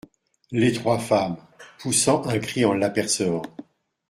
Les Trois Femmes , poussant un cri en l’apercevant.